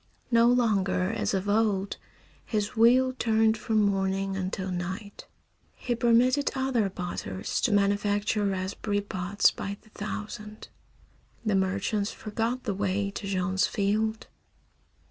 No longer, as of old, his wheel turned from morning until night. He permitted other potters to manufacture raspberry pots by the thousand. The merchants forgot the way to Jean's field.